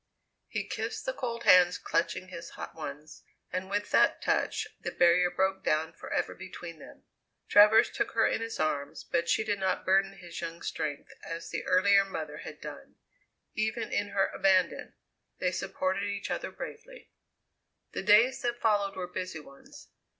He kissed the cold hands clutching his hot ones, and with that touch the barrier broke down forever between them. Travers took her in his arms, but she did not burden his young strength as the earlier mother had done. Even in her abandon, they supported each other bravely. The days that followed were busy ones.